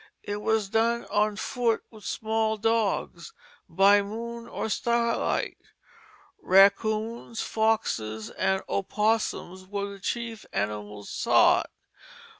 It was done on foot with small dogs, by moon or starlight. Raccoons, foxes, and opossums were the chief animals sought.